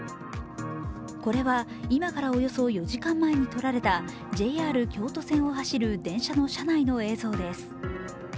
これは今からおよそ４時間前に撮られたＪＲ京都線を走る電車の車内の映像です。